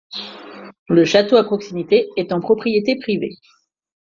Le château à proximité est en propriété privée.